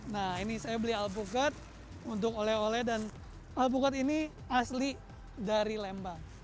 nah ini saya beli alpukat untuk oleh oleh dan alpukat ini asli dari lembang